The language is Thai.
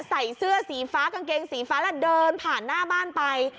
ใส่เสื้อสีฟ้ากางเกงสีฟ้าแล้วเดินผ่านหน้าบ้านไป